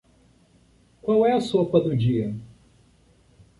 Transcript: Qual é a sopa do dia?